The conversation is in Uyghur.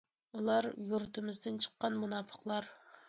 ئۇلار يۇرتىمىزدىن چىققان مۇناپىقلار.